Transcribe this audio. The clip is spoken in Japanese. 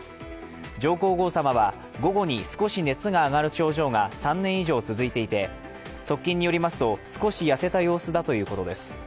上皇后さまは午後に少し熱が上がる症状が３年以上続いていて、側近によりますと少し痩せた様子だということです。